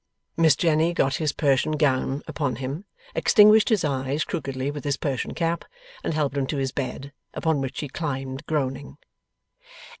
Miss Jenny got his Persian gown upon him, extinguished his eyes crookedly with his Persian cap, and helped him to his bed: upon which he climbed groaning.